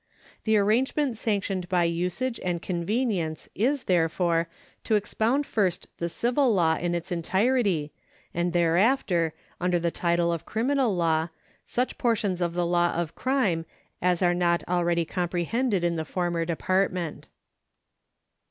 The arrangement sanctioned by usage and convenience is, therefore, to expound first the civil law in its entirety, and thereafter, under the title of criminal law, such portions of the law of crime as are not already comprehended in the former department.